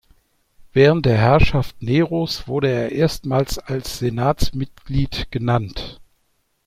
Während der Herrschaft Neros wurde er erstmals als Senatsmitglied genannt.